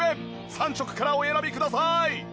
３色からお選びください。